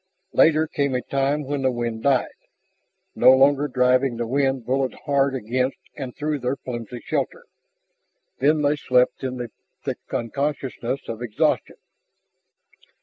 Later came a time when the wind died, no longer driving the rain bullet hard against and through their flimsy shelter. Then they slept in the thick unconsciousness of exhaustion.